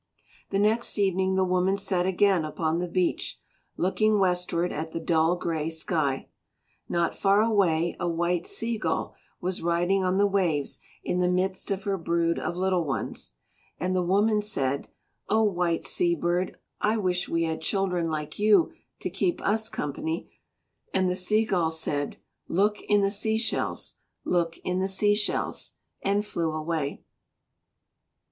The next evening the woman sat again upon the beach looking westward at the dull grey sky. Not far away a white Sea gull was riding on the waves in the midst of her brood of little ones. And the woman said, "Oh, white sea bird, I wish we had children like you to keep us company." And the Sea gull said, "Look in the sea shells; look in the sea shells," and flew away.